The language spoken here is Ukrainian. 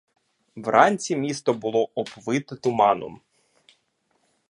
Вранці місто було оповите туманом.